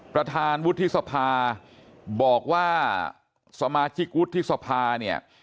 ประธานวุฒิสภาบอกว่าสมาชิกวุฒิสภาเนี่ย